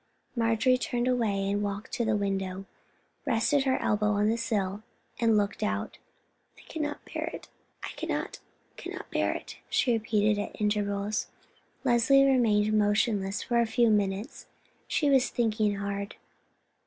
Marjorie turned away, walked to the window, rested her elbow on the sill, and looked out. "I cannot, cannot bear it," she repeated at intervals. Leslie remained motionless for a few minutes; she was thinking hard.